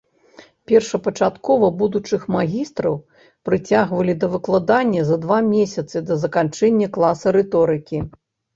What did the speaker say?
Першапачаткова будучых магістраў прыцягвалі да выкладання за два месяцы да заканчэння класа рыторыкі.